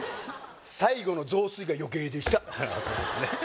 最後の雑炊が余計でしたそうですね